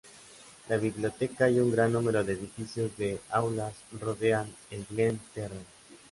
La biblioteca y un gran número de edificios de aulas rodean el Glenn Terrell.